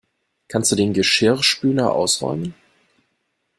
Kannst du den Geschirrspüler ausräumen?